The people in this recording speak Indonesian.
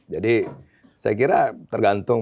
saya kira tergantung